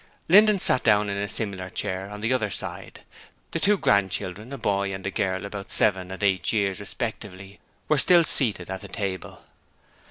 Linden sat down in a similar chair on the other side. The two grandchildren, a boy and girl about seven and eight years, respectively, were still seated at the table.